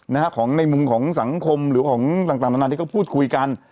นะฮะของในมุมของสังคมหรือของต่างต่างนานาที่เขาพูดคุยกัน